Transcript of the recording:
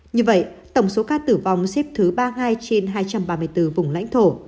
như vậy tổng số ca tử vong xếp thứ ba mươi hai trên hai trăm ba mươi bốn vùng lãnh thổ